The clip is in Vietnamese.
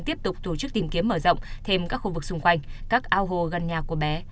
tiếp tục tổ chức tìm kiếm mở rộng thêm các khu vực xung quanh các ao hồ gần nhà của bé